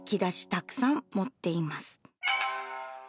たくさん持っています。